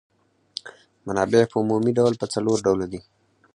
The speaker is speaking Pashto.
منابع په عمومي ډول په څلور ډوله دي.